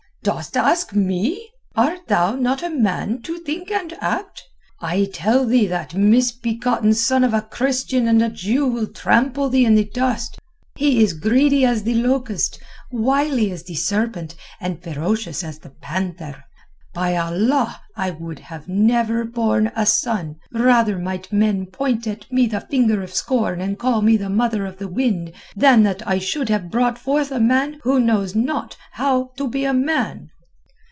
"Dost ask me? Art thou not a man to think and act? I tell thee that misbegotten son of a Christian and a Jew will trample thee in the dust. He is greedy as the locust, wily as the serpent, and ferocious as the panther. By Allah! I would I had never borne a son. Rather might men point at me the finger of scorn and call me mother of the wind than that I should have brought forth a man who knows not how to be a man."